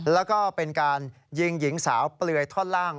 แล้วก็เป็นการยิงหญิงสาวเปลือยท่อนล่าง